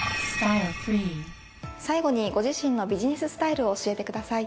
最後にご自身のビジネススタイルを教えてください。